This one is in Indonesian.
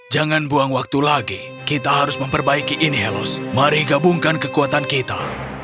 jangan buang waktu lagi kita harus memperbaiki ini helos mari gabungkan kekuatan kita